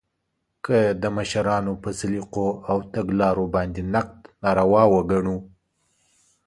که د مشرانو په سلیقو او تګلارو باندې نقد ناروا وګڼو